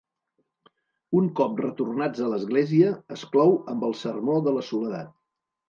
Un cop retornats a l'església, es clou amb el sermó de la soledat.